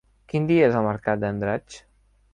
Quin dia és el mercat d'Andratx?